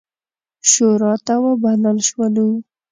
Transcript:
شوراته وبلل شولو.